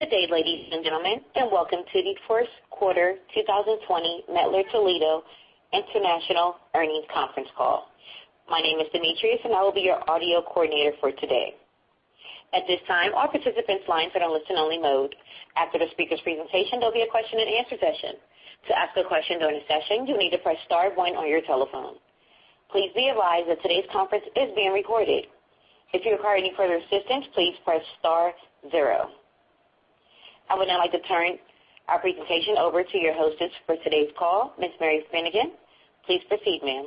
Good day, ladies and gentlemen, and welcome to the first quarter 2020 Mettler-Toledo International Earnings Conference Call. My name is Demetrius, and I will be your audio coordinator for today. At this time, all participants' lines are in listen-only mode. After the speaker's presentation, there'll be a question-and-answer session. To ask a question during the session, you'll need to press star one on your telephone. Please be advised that today's conference is being recorded. If you require any further assistance, please press star zero. I would now like to turn our presentation over to your hostess for today's call, Ms. Mary Finnegan. Please proceed, ma'am.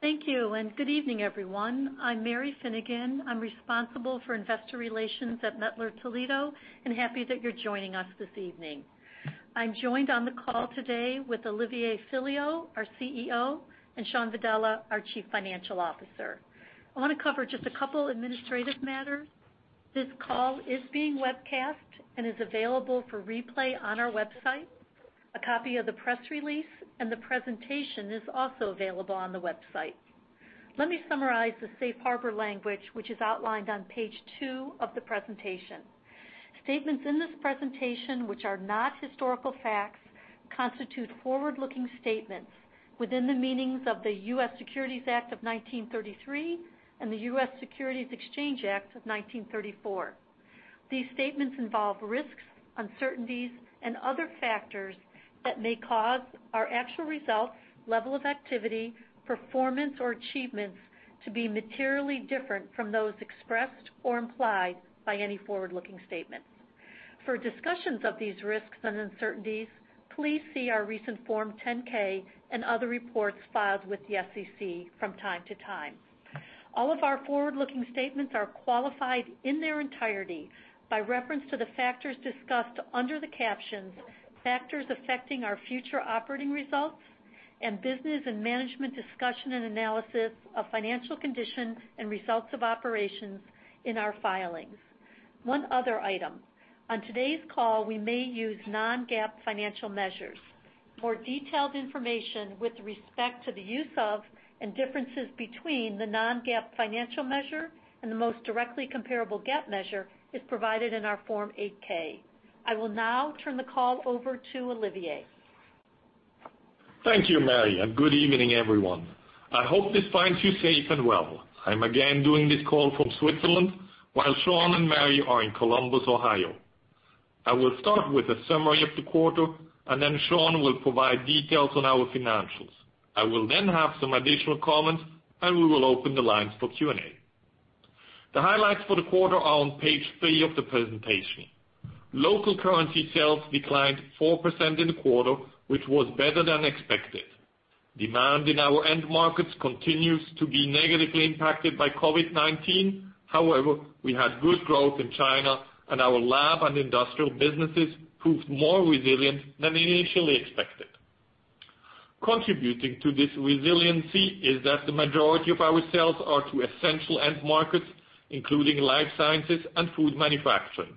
Thank you, and good evening, everyone. I'm Mary Finnegan. I'm responsible for investor relations at Mettler-Toledo, and happy that you're joining us this evening. I'm joined on the call today with Olivier Filliol, our CEO, and Shawn Vadala, our Chief Financial Officer. I want to cover just a couple of administrative matters. This call is being webcast and is available for replay on our website. A copy of the press release and the presentation is also available on the website. Let me summarize the safe harbor language, which is outlined on page two of the presentation. Statements in this presentation, which are not historical facts, constitute forward-looking statements within the meanings of the U.S. Securities Act of 1933 and the U.S. Securities Exchange Act of 1934. These statements involve risks, uncertainties, and other factors that may cause our actual results, level of activity, performance, or achievements to be materially different from those expressed or implied by any forward-looking statements. For discussions of these risks and uncertainties, please see our recent Form 10-K and other reports filed with the SEC from time to time. All of our forward-looking statements are qualified in their entirety by reference to the factors discussed under the captions, factors affecting our future operating results, and business and management discussion and analysis of financial condition and results of operations in our filings. One other item: on today's call, we may use non-GAAP financial measures. More detailed information with respect to the use of and differences between the non-GAAP financial measure and the most directly comparable GAAP measure is provided in our Form 8-K. I will now turn the call over to Olivier. Thank you, Mary, and good evening, everyone. I hope this finds you safe and well. I'm again doing this call from Switzerland while Shawn and Mary are in Columbus, Ohio. I will start with a summary of the quarter, and then Shawn will provide details on our financials. I will then have some additional comments, and we will open the lines for Q&A. The highlights for the quarter are on page three of the presentation. Local currency sales declined 4% in the quarter, which was better than expected. Demand in our end markets continues to be negatively impacted by COVID-19. However, we had good growth in China, and our lab and industrial businesses proved more resilient than initially expected. Contributing to this resiliency is that the majority of our sales are to essential end markets, including life sciences and food manufacturing.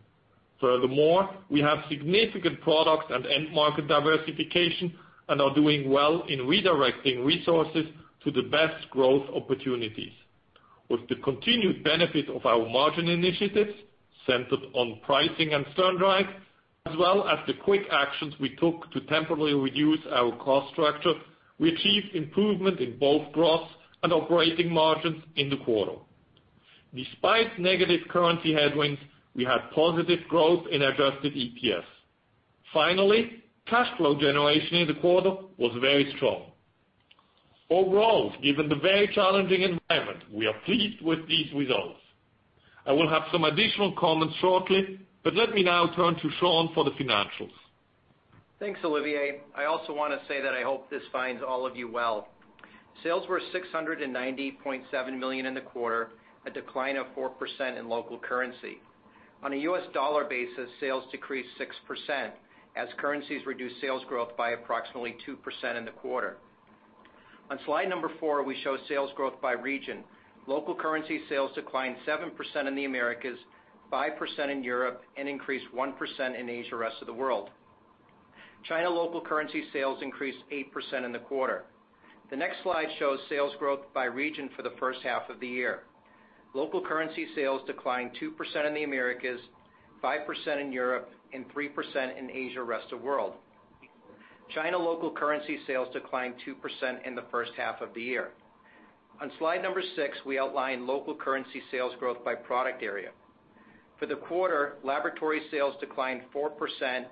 Furthermore, we have significant product and end market diversification and are doing well in redirecting resources to the best growth opportunities. With the continued benefit of our margin initiatives centered on pricing and SternDrive, as well as the quick actions we took to temporarily reduce our cost structure, we achieved improvement in both gross and operating margins in the quarter. Despite negative currency headwinds, we had positive growth in adjusted EPS. Finally, cash flow generation in the quarter was very strong. Overall, given the very challenging environment, we are pleased with these results. I will have some additional comments shortly, but let me now turn to Shawn for the financials. Thanks, Olivier. I also want to say that I hope this finds all of you well. Sales were $690.7 million in the quarter, a decline of 4% in local currency. On a U.S. dollar basis, sales decreased 6%, as currencies reduced sales growth by approximately 2% in the quarter. On slide number four, we show sales growth by region. Local currency sales declined 7% in the Americas, 5% in Europe, and increased 1% in Asia, rest of the world. China local currency sales increased 8% in the quarter. The next slide shows sales growth by region for the first half of the year. Local currency sales declined 2% in the Americas, 5% in Europe, and 3% in Asia, rest of the world. China local currency sales declined 2% in the first half of the year. On slide number six, we outline local currency sales growth by product area. For the quarter, laboratory sales declined 4%,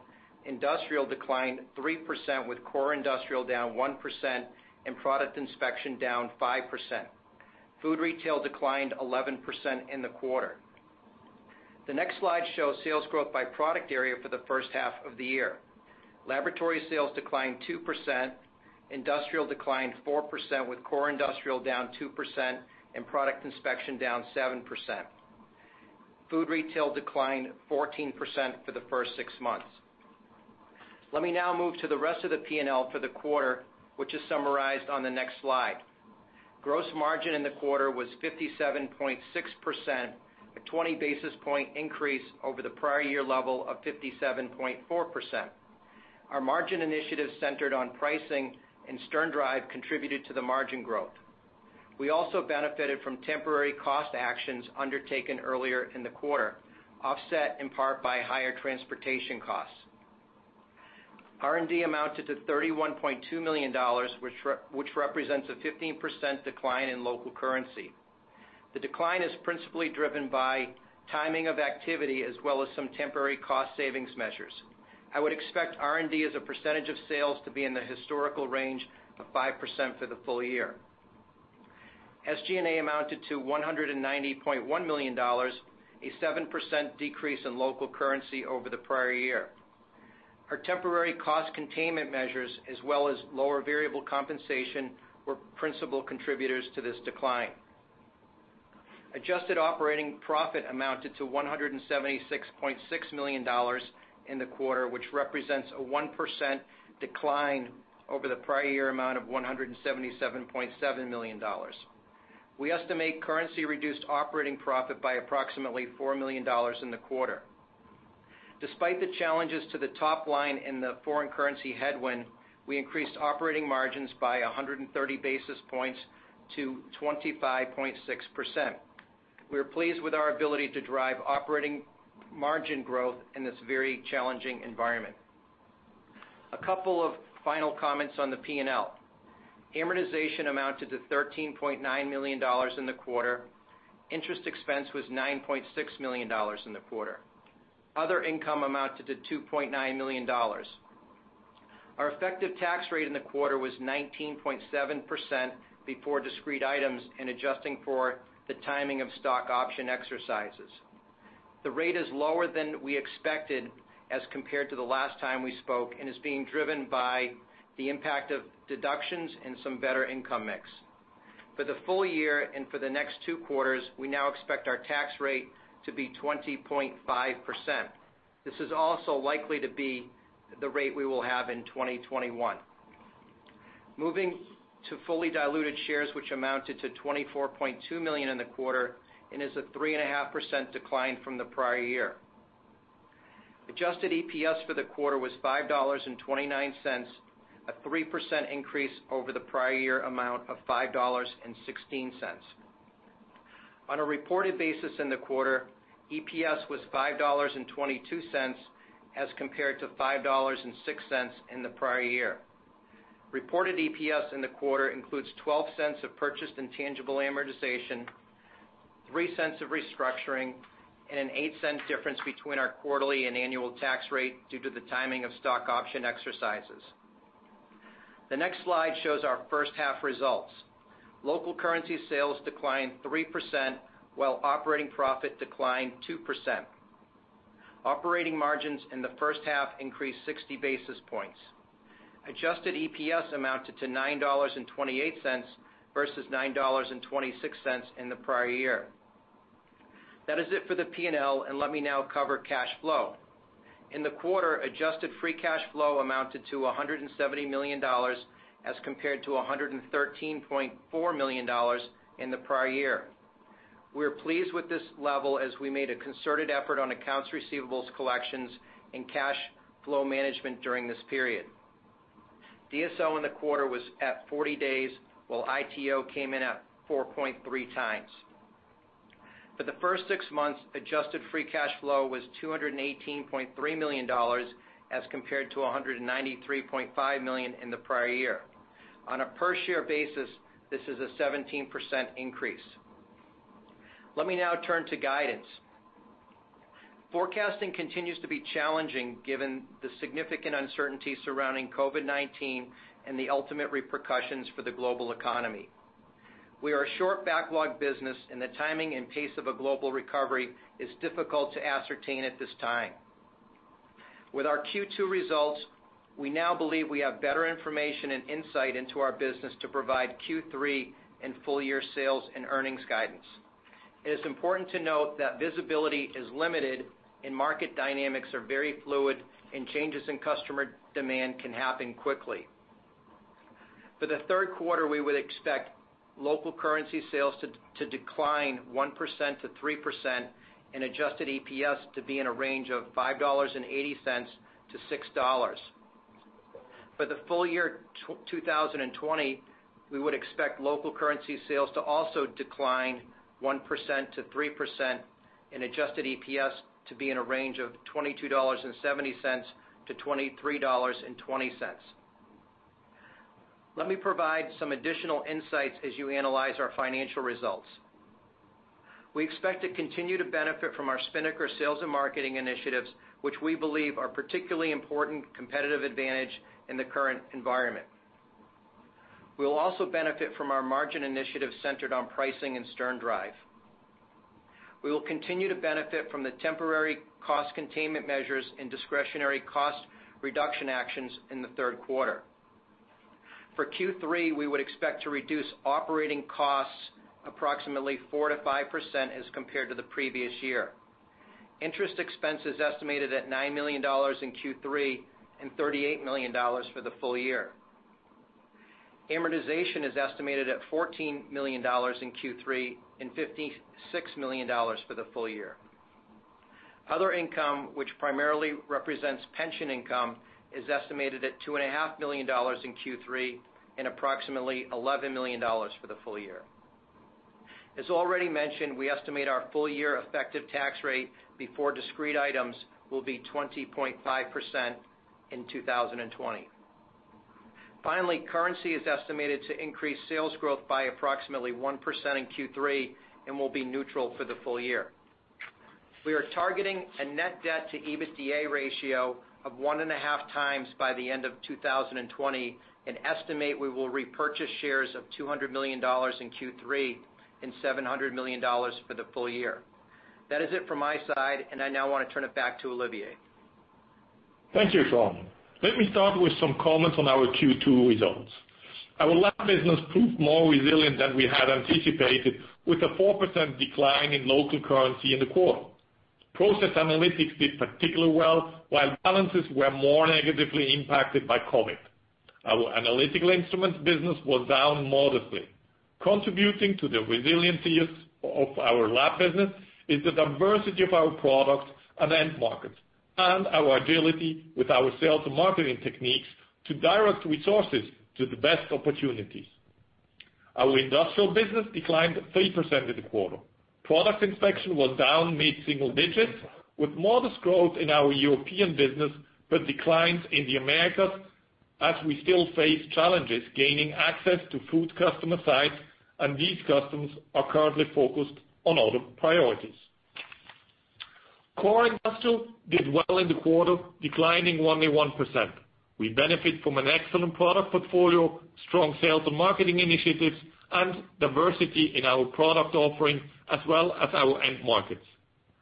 industrial declined 3%, with core industrial down 1% and product inspection down 5%. Food retail declined 11% in the quarter. The next slide shows sales growth by product area for the first half of the year. Laboratory sales declined 2%, industrial declined 4%, with core industrial down 2% and product inspection down 7%. Food retail declined 14% for the first six months. Let me now move to the rest of the P&L for the quarter, which is summarized on the next slide. Gross margin in the quarter was 57.6%, a 20 basis point increase over the prior year level of 57.4%. Our margin initiative centered on pricing and SternDrive contributed to the margin growth. We also benefited from temporary cost actions undertaken earlier in the quarter, offset in part by higher transportation costs. R&D amounted to $31.2 million, which represents a 15% decline in local currency. The decline is principally driven by timing of activity as well as some temporary cost savings measures. I would expect R&D as a percentage of sales to be in the historical range of 5% for the full year. SG&A amounted to $190.1 million, a 7% decrease in local currency over the prior year. Our temporary cost containment measures, as well as lower variable compensation, were principal contributors to this decline. Adjusted operating profit amounted to $176.6 million in the quarter, which represents a 1% decline over the prior year amount of $177.7 million. We estimate currency reduced operating profit by approximately $4 million in the quarter. Despite the challenges to the top line in the foreign currency headwind, we increased operating margins by 130 basis points to 25.6%. We are pleased with our ability to drive operating margin growth in this very challenging environment. A couple of final comments on the P&L. Amortization amounted to $13.9 million in the quarter. Interest expense was $9.6 million in the quarter. Other income amounted to $2.9 million. Our effective tax rate in the quarter was 19.7% before discrete items and adjusting for the timing of stock option exercises. The rate is lower than we expected as compared to the last time we spoke and is being driven by the impact of deductions and some better income mix. For the full year and for the next two quarters, we now expect our tax rate to be 20.5%. This is also likely to be the rate we will have in 2021. Moving to fully diluted shares, which amounted to 24.2 million in the quarter and is a 3.5% decline from the prior year. Adjusted EPS for the quarter was $5.29, a 3% increase over the prior year amount of $5.16. On a reported basis in the quarter, EPS was $5.22 as compared to $5.06 in the prior year. Reported EPS in the quarter includes $0.12 of purchased intangible amortization, $0.03 of restructuring, and an $0.08 difference between our quarterly and annual tax rate due to the timing of stock option exercises. The next slide shows our first half results. Local currency sales declined 3% while operating profit declined 2%. Operating margins in the first half increased 60 basis points. Adjusted EPS amounted to $9.28 versus $9.26 in the prior year. That is it for the P&L, and let me now cover cash flow. In the quarter, adjusted free cash flow amounted to $170 million as compared to $113.4 million in the prior year. We are pleased with this level as we made a concerted effort on accounts receivables collections and cash flow management during this period. DSO in the quarter was at 40 days, while ITO came in at 4.3x. For the first six months, adjusted free cash flow was $218.3 million as compared to $193.5 million in the prior year. On a per-share basis, this is a 17% increase. Let me now turn to guidance. Forecasting continues to be challenging given the significant uncertainty surrounding COVID-19 and the ultimate repercussions for the global economy. We are a short backlog business, and the timing and pace of a global recovery is difficult to ascertain at this time. With our Q2 results, we now believe we have better information and insight into our business to provide Q3 and full-year sales and earnings guidance. It is important to note that visibility is limited, and market dynamics are very fluid, and changes in customer demand can happen quickly. For the third quarter, we would expect local currency sales to decline 1%-3% and adjusted EPS to be in a range of $5.80-$6. For the full year 2020, we would expect local currency sales to also decline 1%-3% and adjusted EPS to be in a range of $22.70-$23.20. Let me provide some additional insights as you analyze our financial results. We expect to continue to benefit from our Spinnaker sales and marketing initiatives, which we believe are a particularly important competitive advantage in the current environment. We will also benefit from our margin initiative centered on pricing and SternDrive. We will continue to benefit from the temporary cost containment measures and discretionary cost reduction actions in the third quarter. For Q3, we would expect to reduce operating costs approximately 4%-5% as compared to the previous year. Interest expense is estimated at $9 million in Q3 and $38 million for the full year. Amortization is estimated at $14 million in Q3 and $56 million for the full year. Other income, which primarily represents pension income, is estimated at $2.5 million in Q3 and approximately $11 million for the full year. As already mentioned, we estimate our full-year effective tax rate before discrete items will be 20.5% in 2020. Finally, currency is estimated to increase sales growth by approximately 1% in Q3 and will be neutral for the full year. We are targeting a net debt to EBITDA ratio of 1.5x by the end of 2020 and estimate we will repurchase shares of $200 million in Q3 and $700 million for the full year. That is it from my side, and I now want to turn it back to Olivier. Thank you, Shawn. Let me start with some comments on our Q2 results. Our lab business proved more resilient than we had anticipated with a 4% decline in local currency in the quarter. Process Analytics did particularly well, while balances were more negatively impacted by COVID. Our analytical instruments business was down modestly. Contributing to the resiliency of our lab business is the diversity of our products and end markets and our agility with our sales and marketing techniques to direct resources to the best opportunities. Our industrial business declined 3% in the quarter. Product inspection was down mid-single digits, with modest growth in our European business but declines in the Americas as we still face challenges gaining access to food customer sites, and these customers are currently focused on other priorities. Core industrial did well in the quarter, declining only 1%. We benefit from an excellent product portfolio, strong sales and marketing initiatives, and diversity in our product offering as well as our end markets.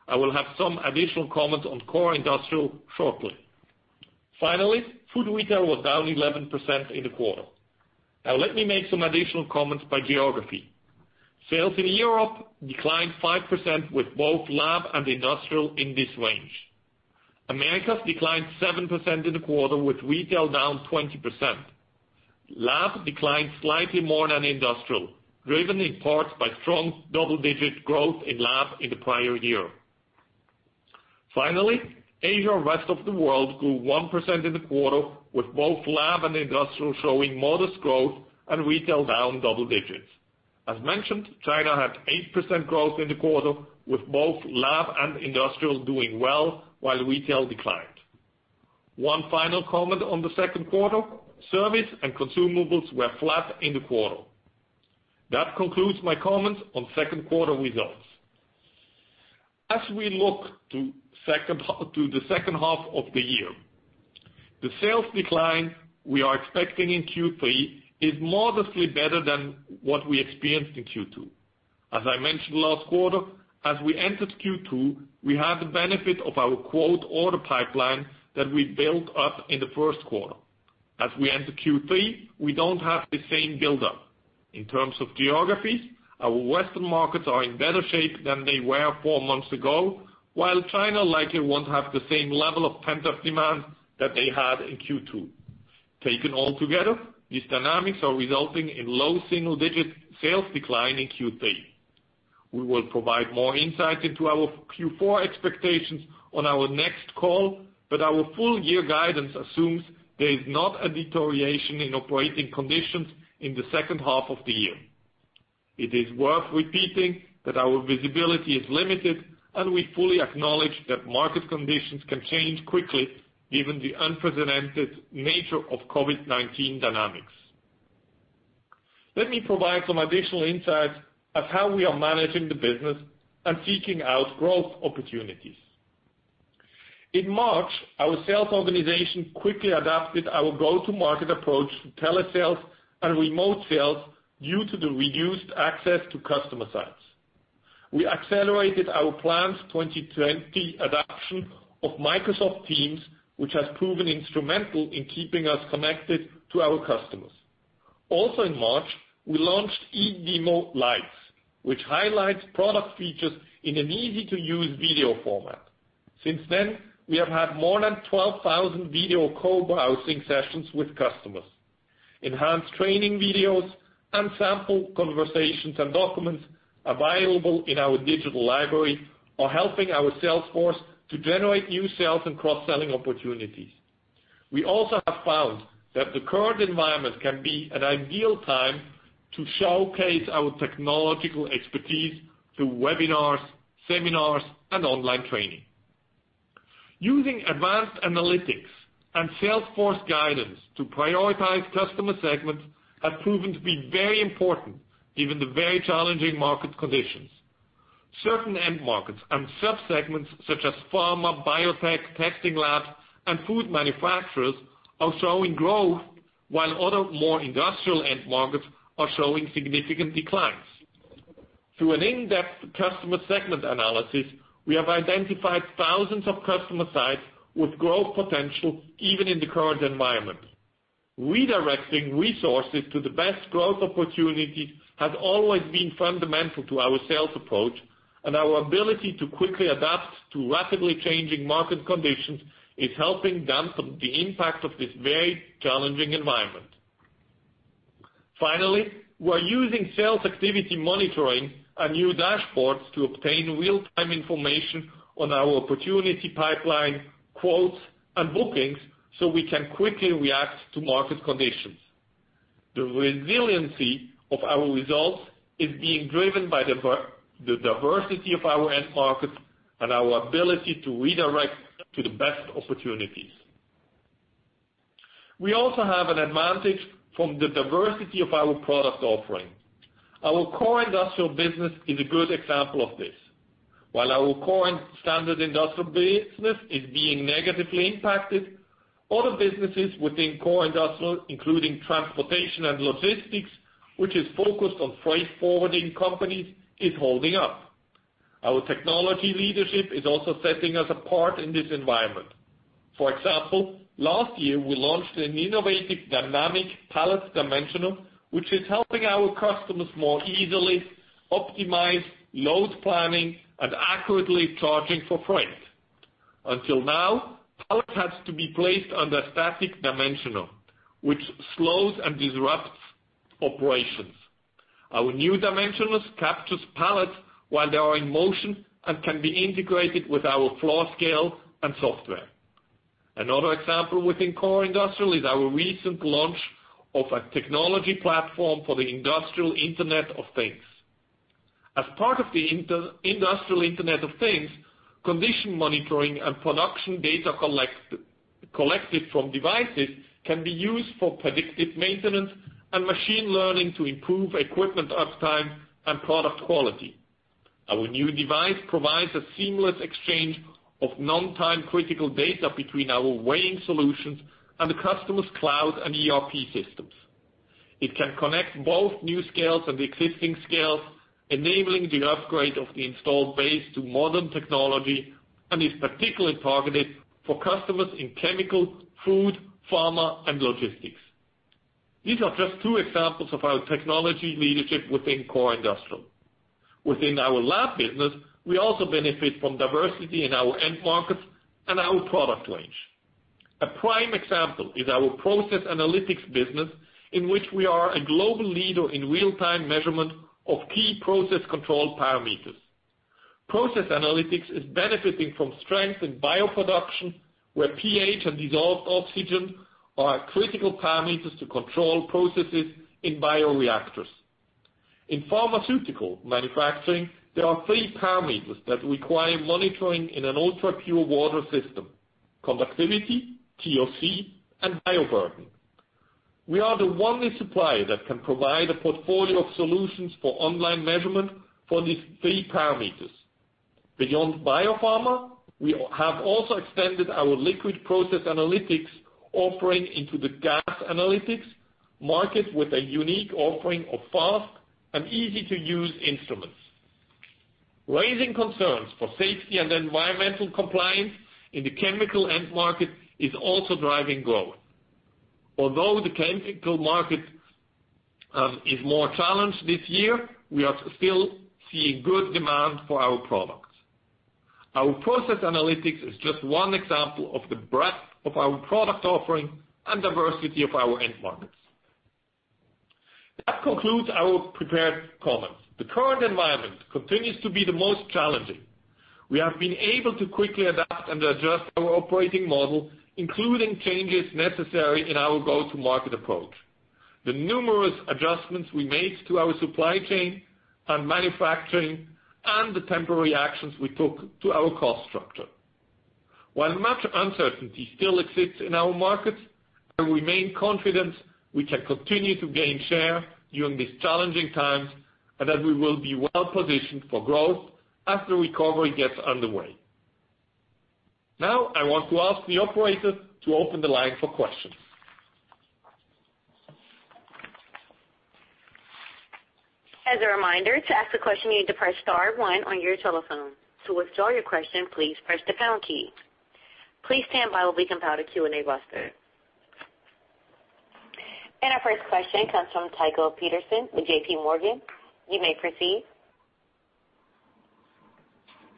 I will have some additional comments on core industrial shortly. Finally, food retail was down 11% in the quarter. Now let me make some additional comments by geography. Sales in Europe declined 5% with both lab and industrial in this range. Americas declined 7% in the quarter with retail down 20%. Lab declined slightly more than industrial, driven in part by strong double-digit growth in lab in the prior year. Finally, Asia and rest of the world grew 1% in the quarter with both lab and industrial showing modest growth and retail down double digits. As mentioned, China had 8% growth in the quarter with both lab and industrial doing well while retail declined. One final comment on the second quarter: service and consumables were flat in the quarter. That concludes my comments on second quarter results. As we look to the second half of the year, the sales decline we are expecting in Q3 is modestly better than what we experienced in Q2. As I mentioned last quarter, as we entered Q2, we had the benefit of our quote order pipeline that we built up in the first quarter. As we enter Q3, we do not have the same buildup. In terms of geographies, our Western markets are in better shape than they were four months ago, while China likely will not have the same level of pent-up demand that they had in Q2. Taken all together, these dynamics are resulting in low single-digit sales decline in Q3. We will provide more insight into our Q4 expectations on our next call, but our full-year guidance assumes there is not a deterioration in operating conditions in the second half of the year. It is worth repeating that our visibility is limited, and we fully acknowledge that market conditions can change quickly given the unprecedented nature of COVID-19 dynamics. Let me provide some additional insights as to how we are managing the business and seeking out growth opportunities. In March, our sales organization quickly adapted our go-to-market approach to telesales and remote sales due to the reduced access to customer sites. We accelerated our planned 2020 adoption of Microsoft Teams, which has proven instrumental in keeping us connected to our customers. Also in March, we launched eDemo Live, which highlights product features in an easy-to-use video format. Since then, we have had more than 12,000 video co-browsing sessions with customers. Enhanced training videos and sample conversations and documents available in our digital library are helping our sales force to generate new sales and cross-selling opportunities. We also have found that the current environment can be an ideal time to showcase our technological expertise through webinars, seminars, and online training. Using advanced analytics and sales force guidance to prioritize customer segments has proven to be very important given the very challenging market conditions. Certain end markets and subsegments such as pharma, biotech, testing labs, and food manufacturers are showing growth, while other more industrial end markets are showing significant declines. Through an in-depth customer segment analysis, we have identified thousands of customer sites with growth potential even in the current environment. Redirecting resources to the best growth opportunities has always been fundamental to our sales approach, and our ability to quickly adapt to rapidly changing market conditions is helping dampen the impact of this very challenging environment. Finally, we are using sales activity monitoring and new dashboards to obtain real-time information on our opportunity pipeline, quotes, and bookings so we can quickly react to market conditions. The resiliency of our results is being driven by the diversity of our end markets and our ability to redirect to the best opportunities. We also have an advantage from the diversity of our product offering. Our core industrial business is a good example of this. While our core and standard industrial business is being negatively impacted, other businesses within core industrial, including transportation and logistics, which is focused on freight forwarding companies, is holding up. Our technology leadership is also setting us apart in this environment. For example, last year, we launched an innovative Dynamic Pallet Dimensioner, which is helping our customers more easily optimize load planning and accurately charging for freight. Until now, pallets had to be placed under static dimensioner, which slows and disrupts operations. Our new dimensioner captures pallets while they are in motion and can be integrated with our floor scale and software. Another example within core industrial is our recent launch of a technology platform for the Industrial Internet of Things. As part of the Industrial Internet of Things, condition monitoring and production data collected from devices can be used for predictive maintenance and machine learning to improve equipment uptime and product quality. Our new device provides a seamless exchange of non-time-critical data between our weighing solutions and the customer's cloud and ERP systems. It can connect both new scales and existing scales, enabling the upgrade of the installed base to modern technology and is particularly targeted for customers in chemical, food, pharma, and logistics. These are just two examples of our technology leadership within core industrial. Within our lab business, we also benefit from diversity in our end markets and our product range. A prime example is our Process Analytics business, in which we are a global leader in real-time measurement of key process control parameters. Process Analytics is benefiting from strength in bioproduction, where pH and dissolved oxygen are critical parameters to control processes in bioreactors. In pharmaceutical manufacturing, there are three parameters that require monitoring in an ultra-pure water system: conductivity, TOC, and bioburden. We are the only supplier that can provide a portfolio of solutions for online measurement for these three parameters. Beyond biopharma, we have also extended our liquid Process Analytics offering into the gas analytics market with a unique offering of fast and easy-to-use instruments. Raising concerns for safety and environmental compliance in the chemical end market is also driving growth. Although the chemical market is more challenged this year, we are still seeing good demand for our products. Our Process Analytics is just one example of the breadth of our product offering and diversity of our end markets. That concludes our prepared comments. The current environment continues to be the most challenging. We have been able to quickly adapt and adjust our operating model, including changes necessary in our go-to-market approach, the numerous adjustments we made to our supply chain and manufacturing, and the temporary actions we took to our cost structure. While much uncertainty still exists in our markets, I remain confident we can continue to gain share during these challenging times and that we will be well-positioned for growth as the recovery gets underway. Now, I want to ask the operator to open the line for questions. As a reminder, to ask a question, you need to press star one on your telephone. To withdraw your question, please press the pound key. Please stand by while we compile the Q&A roster. Our first question comes from Tycho Peterson with JPMorgan. You may proceed.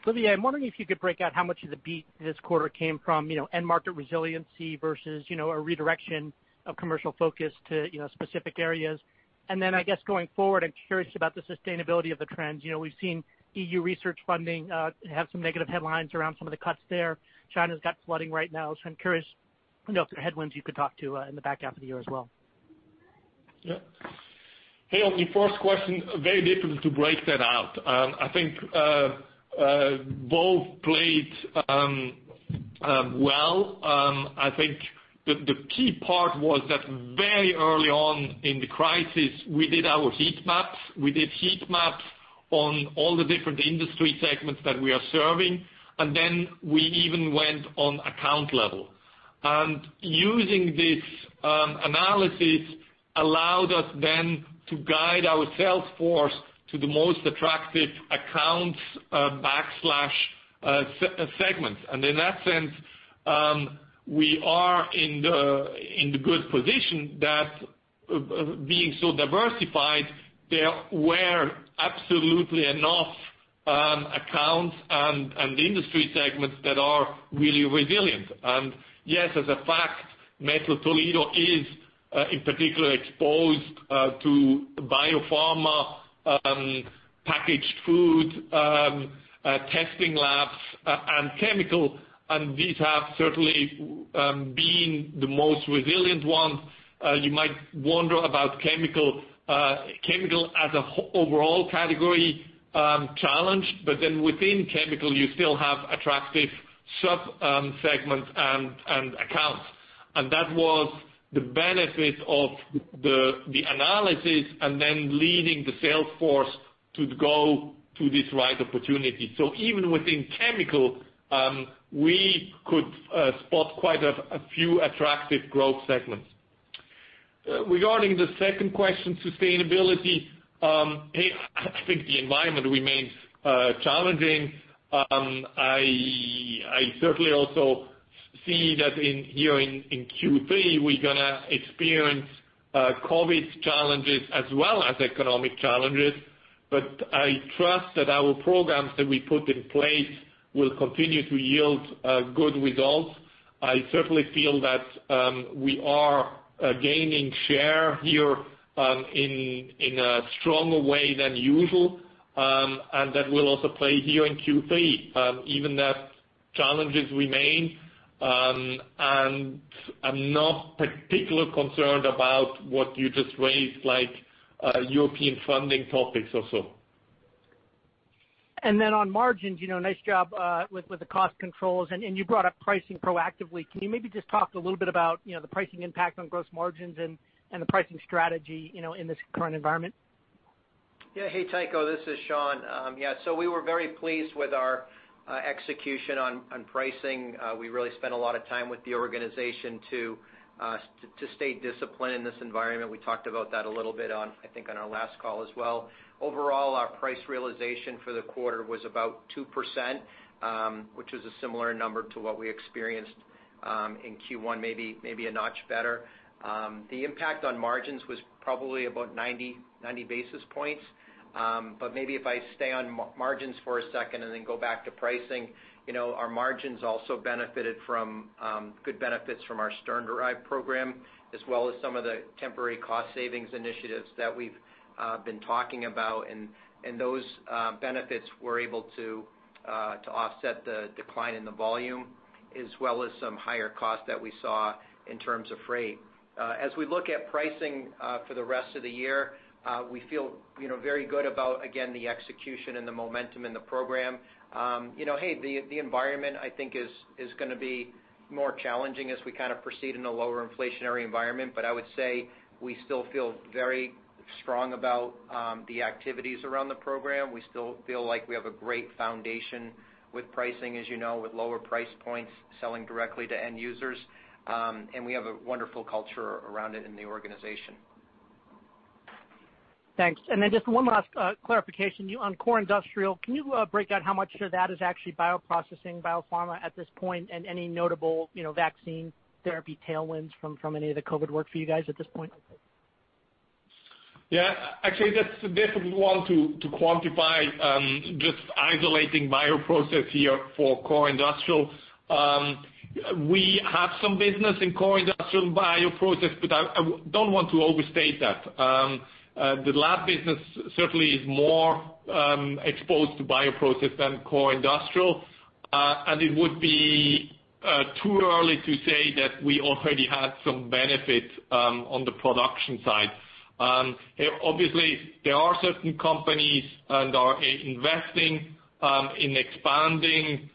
Olivier, I'm wondering if you could break out how much of the beat this quarter came from end market resiliency versus a redirection of commercial focus to specific areas. I guess, going forward, I'm curious about the sustainability of the trends. We've seen EU research funding have some negative headlines around some of the cuts there. China's got flooding right now, so I'm curious if there are headwinds you could talk to in the back half of the year as well. Yeah. Hey, on your first question, very difficult to break that out. I think both played well. I think the key part was that very early on in the crisis, we did our heat maps. We did heat maps on all the different industry segments that we are serving, and then we even went on account level. Using this analysis allowed us then to guide our sales force to the most attractive accounts/segments. In that sense, we are in the good position that, being so diversified, there were absolutely enough accounts and industry segments that are really resilient. Yes, as a fact, Mettler-Toledo is, in particular, exposed to biopharma, packaged food, testing labs, and chemical, and these have certainly been the most resilient ones. You might wonder about chemical as an overall category challenge, but then within chemical, you still have attractive subsegments and accounts. That was the benefit of the analysis and then leading the sales force to go to this right opportunity. Even within chemical, we could spot quite a few attractive growth segments. Regarding the second question, sustainability, I think the environment remains challenging. I certainly also see that here in Q3, we are going to experience COVID challenges as well as economic challenges, but I trust that our programs that we put in place will continue to yield good results. I certainly feel that we are gaining share here in a stronger way than usual, and that will also play here in Q3, even as challenges remain. I am not particularly concerned about what you just raised, like European funding topics or so. Nice job with the cost controls, and you brought up pricing proactively. Can you maybe just talk a little bit about the pricing impact on gross margins and the pricing strategy in this current environment? Yeah. Hey, Tycho, this is Shawn. Yeah, we were very pleased with our execution on pricing. We really spent a lot of time with the organization to stay disciplined in this environment. We talked about that a little bit on, I think, on our last call as well. Overall, our price realization for the quarter was about 2%, which was a similar number to what we experienced in Q1, maybe a notch better. The impact on margins was probably about 90 basis points, but maybe if I stay on margins for a second and then go back to pricing, our margins also benefited from good benefits from our SternDrive program, as well as some of the temporary cost savings initiatives that we've been talking about. Those benefits were able to offset the decline in the volume, as well as some higher costs that we saw in terms of freight. As we look at pricing for the rest of the year, we feel very good about, again, the execution and the momentum in the program. The environment, I think, is going to be more challenging as we kind of proceed in a lower inflationary environment, but I would say we still feel very strong about the activities around the program. We still feel like we have a great foundation with pricing, as you know, with lower price points selling directly to end users, and we have a wonderful culture around it in the organization. Thanks. Just one last clarification. On core industrial, can you break out how much of that is actually bioprocessing, biopharma at this point, and any notable vaccine therapy tailwinds from any of the COVID work for you guys at this point? Yeah. Actually, that's a difficult one to quantify, just isolating bioprocess here for core industrial. We have some business in core industrial and bioprocess, but I don't want to overstate that. The lab business certainly is more exposed to bioprocess than core industrial, and it would be too early to say that we already had some benefit on the production side. Obviously, there are certain companies that are investing in expanding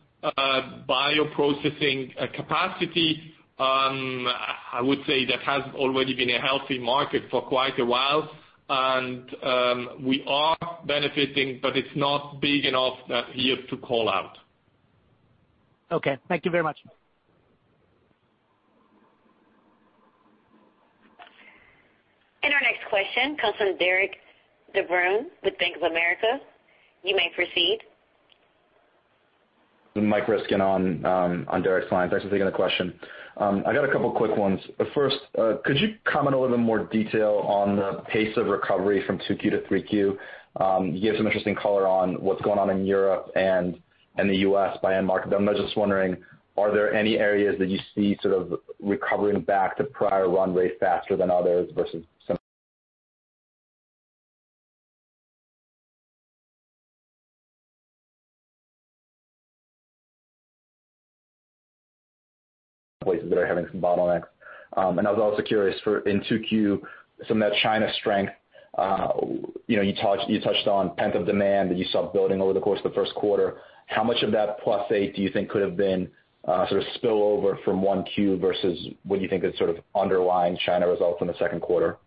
bioprocessing capacity. I would say that has already been a healthy market for quite a while, and we are benefiting, but it's not big enough here to call out. Okay. Thank you very much. Our next question comes from Derik de Bruin with Bank of America. You may proceed. Mike Ryskin on Derek's line. Thanks for taking the question. I got a couple of quick ones. First, could you comment a little bit more detail on the pace of recovery from 2Q to 3Q? You gave some interesting color on what's going on in Europe and the U.S. by end market. I'm just wondering, are there any areas that you see sort of recovering back to prior run rate faster than others versus some places that are having some bottlenecks. I was also curious, in 2Q, some of that China strength, you touched on pent-up demand that you saw building over the course of the first quarter. How much of that plus eight do you think could have been sort of spillover from 1Q versus what do you think is sort of underlying China results in the second quarter?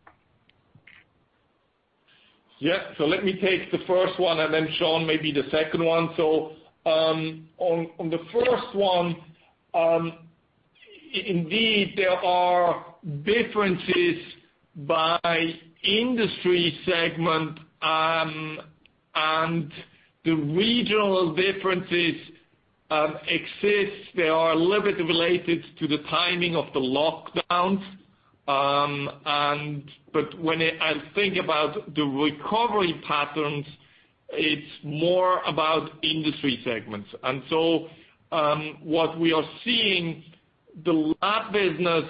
Yeah. Let me take the first one, and then Shawn maybe the second one. On the first one, indeed, there are differences by industry segment, and the regional differences exist. They are a little bit related to the timing of the lockdowns. When I think about the recovery patterns, it's more about industry segments. What we are seeing, the lab business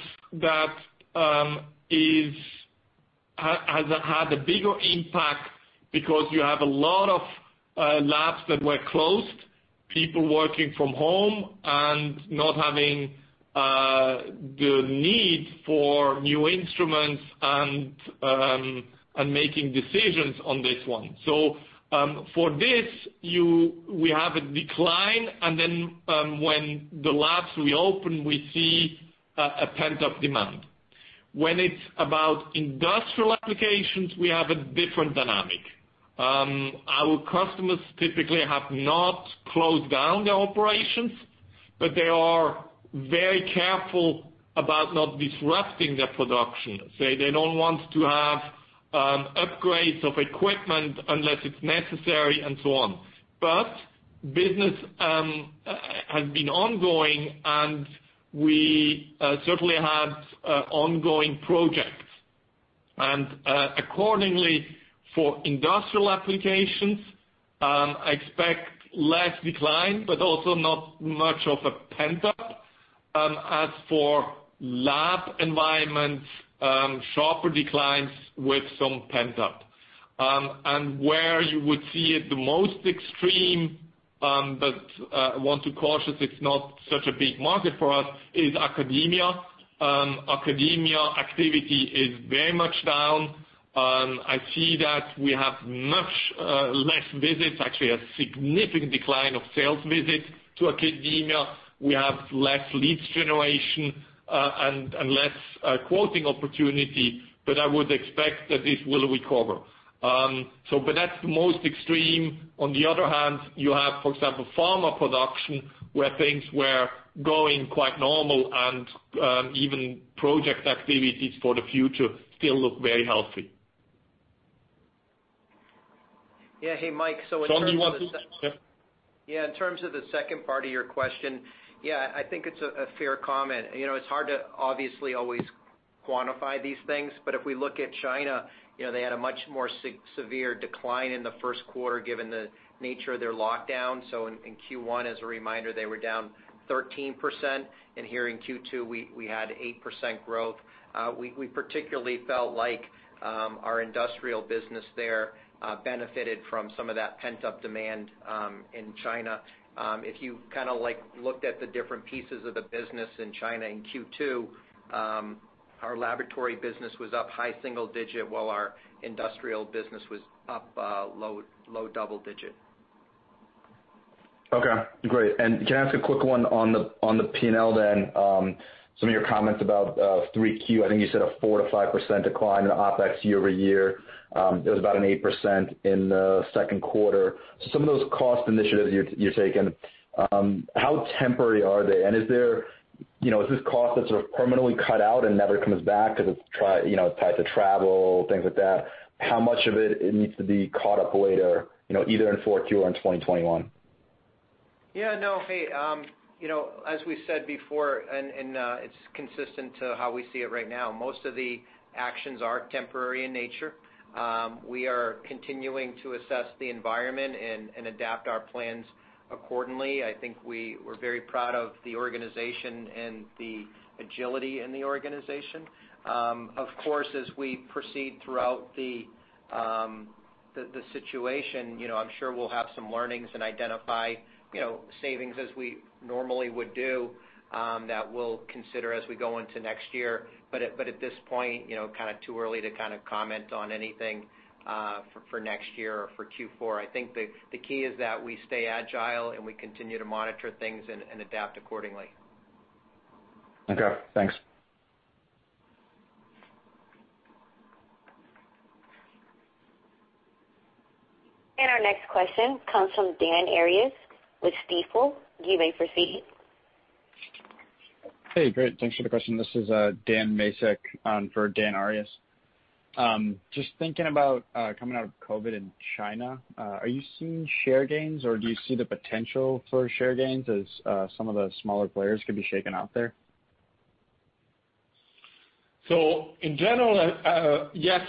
has had a bigger impact because you have a lot of labs that were closed, people working from home, and not having the need for new instruments and making decisions on this one. For this, we have a decline, and then when the labs reopen, we see a pent-up demand. When it's about industrial applications, we have a different dynamic. Our customers typically have not closed down their operations, but they are very careful about not disrupting their production. They do not want to have upgrades of equipment unless it is necessary and so on. Business has been ongoing, and we certainly have ongoing projects. Accordingly, for industrial applications, I expect less decline, but also not much of a pent-up. As for lab environments, sharper declines with some pent-up. Where you would see it the most extreme, but I want to caution it is not such a big market for us, is academia. Academia activity is very much down. I see that we have much less visits, actually a significant decline of sales visits to academia. We have less leads generation and less quoting opportunity, but I would expect that this will recover. That is the most extreme. On the other hand, you have, for example, pharma production where things were going quite normal, and even project activities for the future still look very healthy. Yeah. Hey, Mike, so in terms of the. Sean, do you want to? Yeah. In terms of the second part of your question, yeah, I think it's a fair comment. It's hard to obviously always quantify these things, but if we look at China, they had a much more severe decline in the first quarter given the nature of their lockdown. In Q1, as a reminder, they were down 13%, and here in Q2, we had 8% growth. We particularly felt like our industrial business there benefited from some of that pent-up demand in China. If you kind of looked at the different pieces of the business in China in Q2, our laboratory business was up high single digit, while our industrial business was up low double digit. Okay. Great. Can I ask a quick one on the P&L then, some of your comments about 3Q? I think you said a 4%-5% decline in OpEx year over year. It was about 8% in the second quarter. Some of those cost initiatives you're taking, how temporary are they? Is this cost that's sort of permanently cut out and never comes back because it's tied to travel, things like that? How much of it needs to be caught up later, either in 4Q or in 2021? Yeah. No, hey, as we said before, and it's consistent to how we see it right now, most of the actions are temporary in nature. We are continuing to assess the environment and adapt our plans accordingly. I think we're very proud of the organization and the agility in the organization. Of course, as we proceed throughout the situation, I'm sure we'll have some learnings and identify savings as we normally would do that we'll consider as we go into next year. At this point, kind of too early to kind of comment on anything for next year or for Q4. I think the key is that we stay agile and we continue to monitor things and adapt accordingly. Okay. Thanks. Our next question comes from Dan Arias with Stifel. You may proceed. Hey, great. Thanks for the question. This is Dan Masick for Dan Arias. Just thinking about coming out of COVID in China, are you seeing share gains, or do you see the potential for share gains as some of the smaller players could be shaken out there? In general, yes,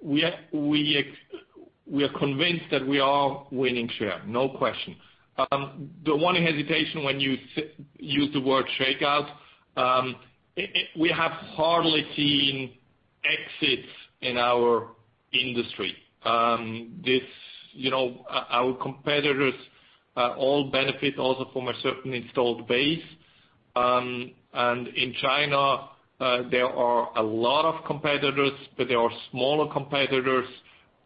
we are convinced that we are winning share, no question. The one hesitation when you use the word shakeout, we have hardly seen exits in our industry. Our competitors all benefit also from a certain installed base. In China, there are a lot of competitors, but there are smaller competitors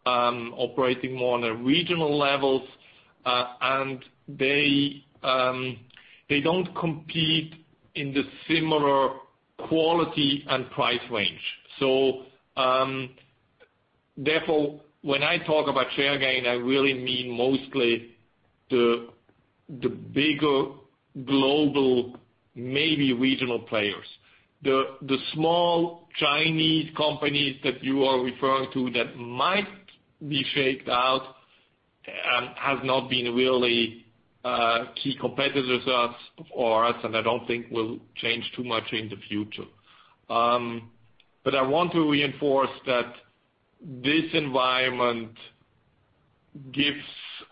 operating more on a regional level, and they do not compete in the similar quality and price range. Therefore, when I talk about share gain, I really mean mostly the bigger global, maybe regional players. The small Chinese companies that you are referring to that might be shaked out have not been really key competitors for us, and I do not think will change too much in the future. I want to reinforce that this environment gives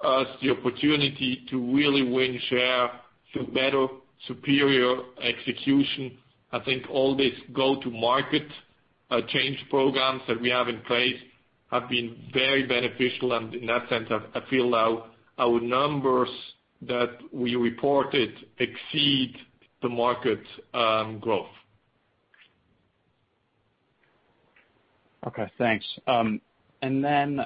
us the opportunity to really win share through better, superior execution. I think all these go-to-market change programs that we have in place have been very beneficial, and in that sense, I feel our numbers that we reported exceed the market growth. Okay. Thanks. Recognizing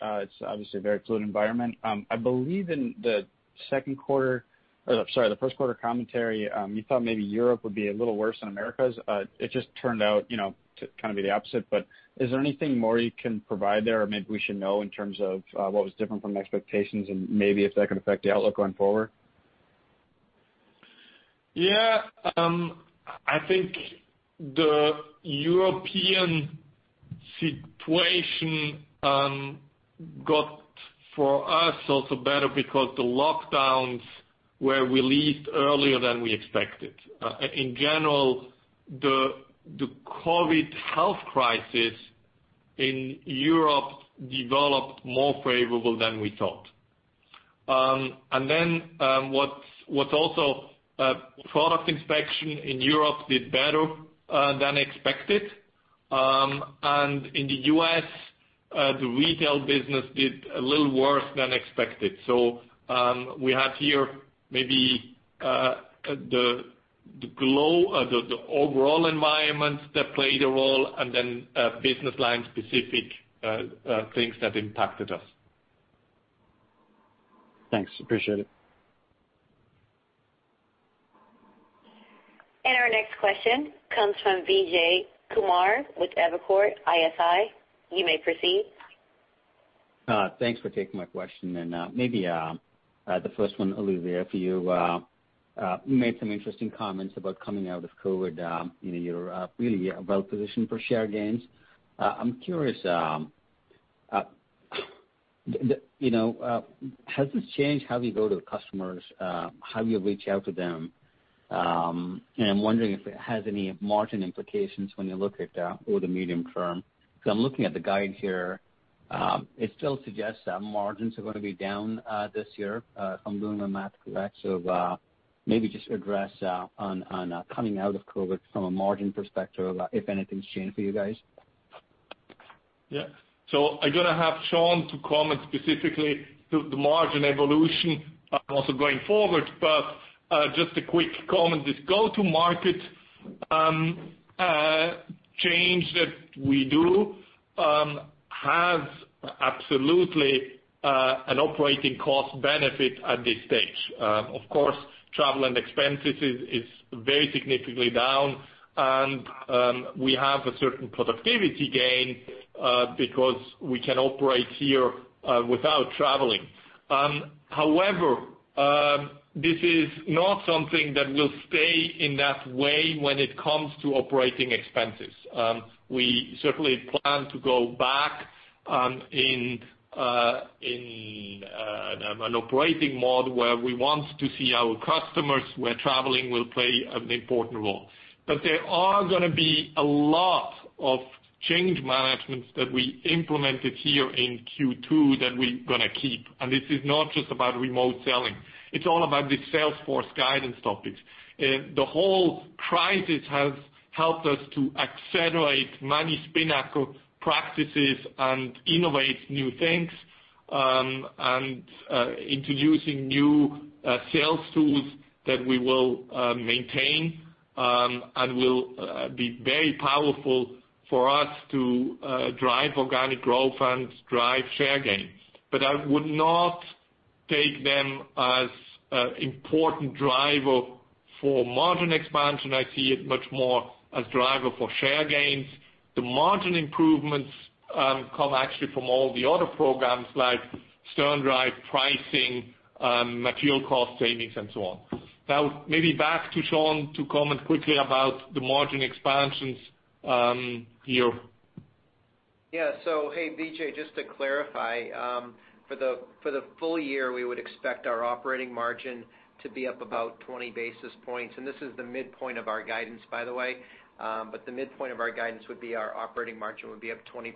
it's obviously a very fluid environment, I believe in the second quarter, or sorry, the first quarter commentary, you thought maybe Europe would be a little worse than Americas. It just turned out to kind of be the opposite. Is there anything more you can provide there or maybe we should know in terms of what was different from expectations and maybe if that could affect the outlook going forward? Yeah. I think the European situation got for us also better because the lockdowns were released earlier than we expected. In general, the COVID health crisis in Europe developed more favorably than we thought. What's also, product inspection in Europe did better than expected. In the U.S., the retail business did a little worse than expected. We had here maybe the overall environment that played a role, and then business line-specific things that impacted us. Thanks. Appreciate it. Our next question comes from Vijay Kumar with Evercore ISI. You may proceed. Thanks for taking my question. Maybe the first one, Olivier, for you. You made some interesting comments about coming out of COVID. You're really well positioned for share gains. I'm curious, has this changed how you go to customers, how you reach out to them? I'm wondering if it has any margin implications when you look at over the medium term. Because I'm looking at the guide here, it still suggests that margins are going to be down this year, if I'm doing my math correct. Maybe just address on coming out of COVID from a margin perspective, if anything's changed for you guys. Yeah. I am going to have Shawn comment specifically to the margin evolution also going forward. Just a quick comment, this go-to-market change that we do has absolutely an operating cost benefit at this stage. Of course, travel and expenses is very significantly down, and we have a certain productivity gain because we can operate here without traveling. However, this is not something that will stay in that way when it comes to operating expenses. We certainly plan to go back in an operating model where we want to see our customers where traveling will play an important role. There are going to be a lot of change management that we implemented here in Q2 that we are going to keep. This is not just about remote selling. It is all about the Salesforce guidance topics. The whole crisis has helped us to accelerate Spinnaker practices and innovate new things and introducing new sales tools that we will maintain and will be very powerful for us to drive organic growth and drive share gains. I would not take them as an important driver for margin expansion. I see it much more as a driver for share gains. The margin improvements come actually from all the other programs like SternDrive pricing, material cost savings, and so on. Now, maybe back to Shawn to comment quickly about the margin expansions here. Yeah. Hey, Vijay, just to clarify, for the full year, we would expect our operating margin to be up about 20 basis points. This is the midpoint of our guidance, by the way. The midpoint of our guidance would be our operating margin would be up 20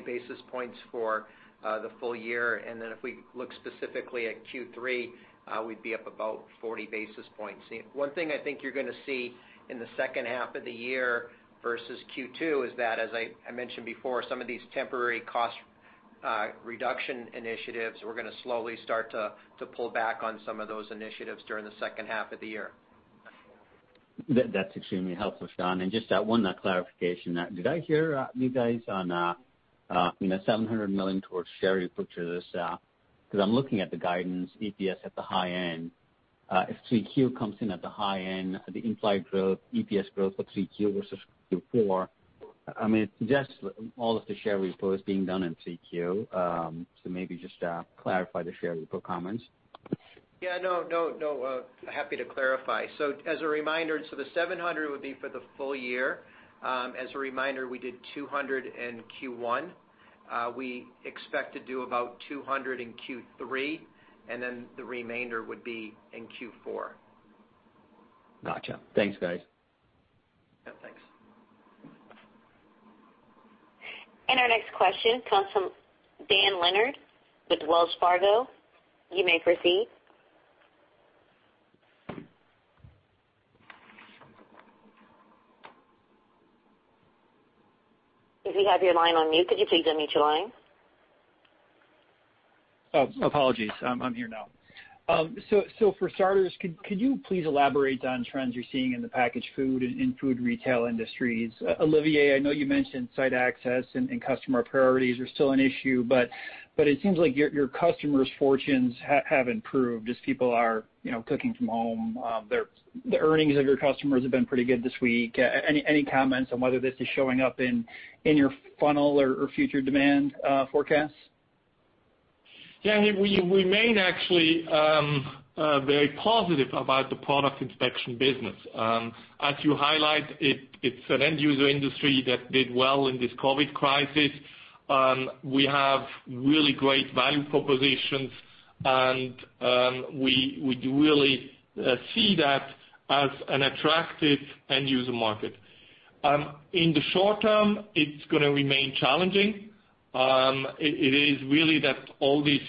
basis points for the full year. If we look specifically at Q3, we would be up about 40 basis points. One thing I think you are going to see in the second half of the year versus Q2 is that, as I mentioned before, some of these temporary cost reduction initiatives, we are going to slowly start to pull back on some of those initiatives during the second half of the year. That's extremely helpful, Shawn. Just one clarification. Did I hear you guys on $700 million towards share repurchases? Because I'm looking at the guidance, EPS at the high end. If 3Q comes in at the high end, the implied growth, EPS growth for 3Q versus Q4, I mean, it suggests all of the share repurchases being done in 3Q. Maybe just clarify the share repurchase comments. Yeah. No, happy to clarify. The 700 would be for the full year. As a reminder, we did 200 in Q1. We expect to do about 200 in Q3, and then the remainder would be in Q4. Gotcha. Thanks, guys. Yeah. Thanks. Our next question comes from Dan Leonard with Wells Fargo. You may proceed. If you have your line on mute, could you please unmute your line? Apologies. I'm here now. For starters, could you please elaborate on trends you're seeing in the packaged food and food retail industries? Olivier, I know you mentioned site access and customer priorities are still an issue, but it seems like your customers' fortunes have improved as people are cooking from home. The earnings of your customers have been pretty good this week. Any comments on whether this is showing up in your funnel or future demand forecasts? Yeah. We remain actually very positive about the product inspection business. As you highlight, it's an end-user industry that did well in this COVID crisis. We have really great value propositions, and we really see that as an attractive end-user market. In the short term, it's going to remain challenging. It is really that all these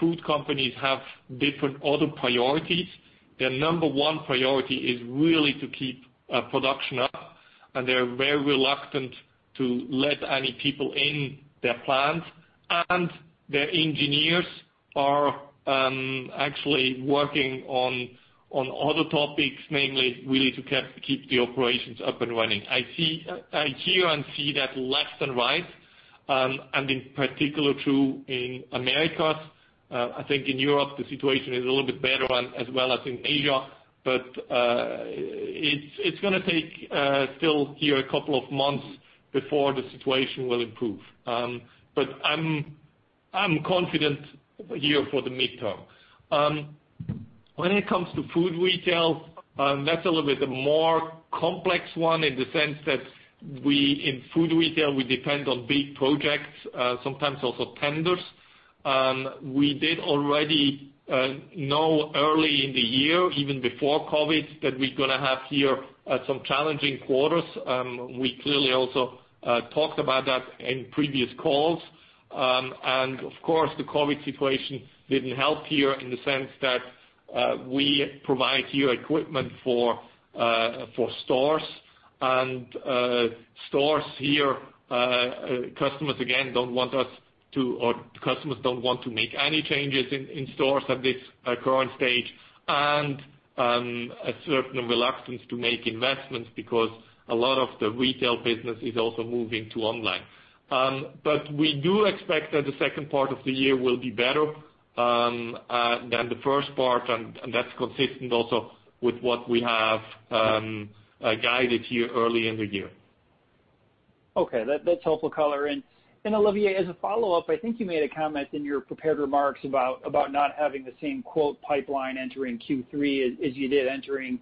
food companies have different other priorities. Their number one priority is really to keep production up, and they're very reluctant to let any people in their plant. Their engineers are actually working on other topics, namely really to keep the operations up and running. I hear and see that left and right, and in particular true in America. I think in Europe, the situation is a little bit better as well as in Asia. It is going to take still here a couple of months before the situation will improve. I'm confident here for the midterm. When it comes to food retail, that's a little bit more complex one in the sense that in food retail, we depend on big projects, sometimes also tenders. We did already know early in the year, even before COVID, that we're going to have here some challenging quarters. We clearly also talked about that in previous calls. Of course, the COVID situation didn't help here in the sense that we provide here equipment for stores. Stores here, customers again don't want us to, or customers don't want to make any changes in stores at this current stage, and a certain reluctance to make investments because a lot of the retail business is also moving to online. We do expect that the second part of the year will be better than the first part, and that's consistent also with what we have guided here early in the year. Okay. That's helpful color. Olivier, as a follow-up, I think you made a comment in your prepared remarks about not having the same quote pipeline entering Q3 as you did entering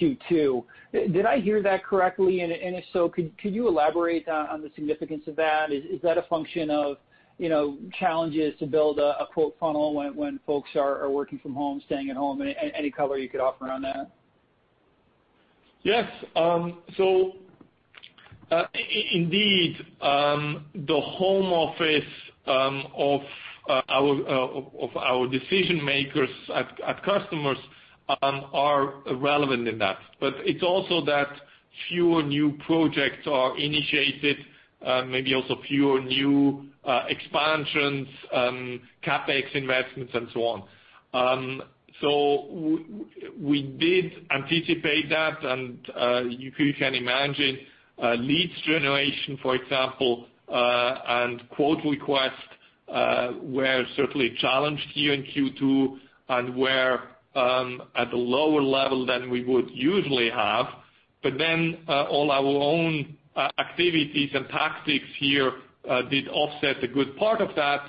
Q2. Did I hear that correctly? If so, could you elaborate on the significance of that? Is that a function of challenges to build a quote funnel when folks are working from home, staying at home? Any color you could offer on that? Yes. Indeed, the home office of our decision makers at customers are relevant in that. It is also that fewer new projects are initiated, maybe also fewer new expansions, CapEx investments, and so on. We did anticipate that, and you can imagine leads generation, for example, and quote requests were certainly challenged here in Q2 and were at a lower level than we would usually have. All our own activities and tactics here did offset a good part of that.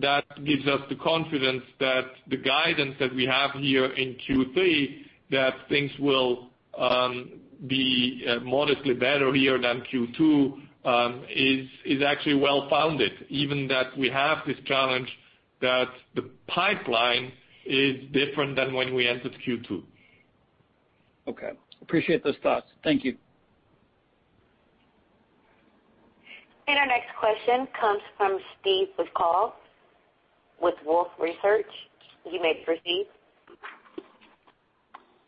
That gives us the confidence that the guidance that we have here in Q3, that things will be modestly better here than Q2, is actually well-founded, even that we have this challenge that the pipeline is different than when we entered Q2. Okay. Appreciate those thoughts. Thank you. Our next question comes from Steve with Wolfe Research. You may proceed.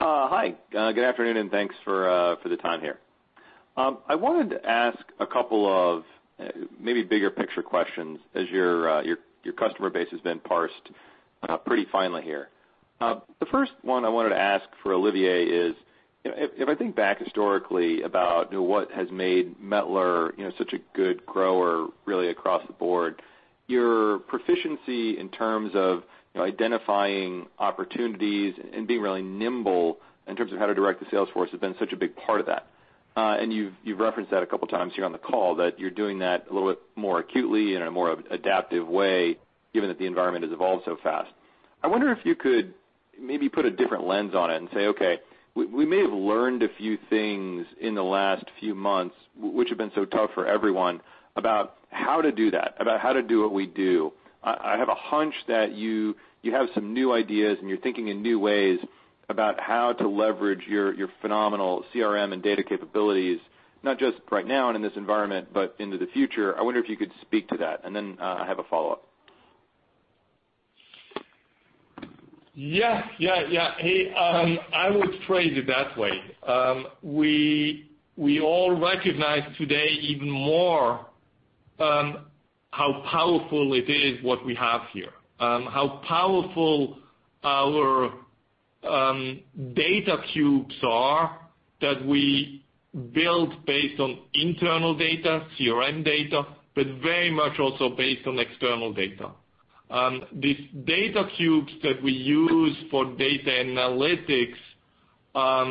Hi. Good afternoon, and thanks for the time here. I wanted to ask a couple of maybe bigger picture questions as your customer base has been parsed pretty finely here. The first one I wanted to ask for Olivier is, if I think back historically about what has made Mettler such a good grower really across the board, your proficiency in terms of identifying opportunities and being really nimble in terms of how to direct the sales force has been such a big part of that. You have referenced that a couple of times here on the call, that you are doing that a little bit more acutely and in a more adaptive way, given that the environment has evolved so fast. I wonder if you could maybe put a different lens on it and say, "Okay. We may have learned a few things in the last few months, which have been so tough for everyone, about how to do that, about how to do what we do. I have a hunch that you have some new ideas, and you're thinking in new ways about how to leverage your phenomenal CRM and data capabilities, not just right now and in this environment, but into the future. I wonder if you could speak to that. I have a follow-up. Yeah, yeah. Hey, I would phrase it that way. We all recognize today even more how powerful it is what we have here, how powerful our data cubes are that we build based on internal data, CRM data, but very much also based on external data. These data cubes that we use for data analytics are